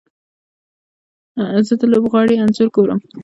زه د لوبغاړي انځور ګورم.